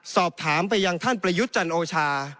สอบถามไปยังท่านประยุจรรย์โอชา